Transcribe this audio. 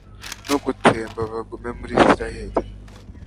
no gutsemba abagome muri israheli